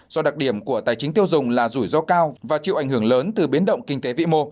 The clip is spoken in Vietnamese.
do đặc điểm của tài chính tiêu dùng là rủi ro cao và chịu ảnh hưởng lớn từ biến động kinh tế vĩ mô